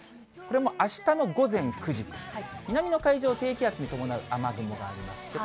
これもあしたの午前９時、南の海上、低気圧に伴う雨雲があります。